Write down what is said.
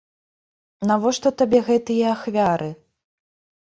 Навошта табе гэтыя ахвяры?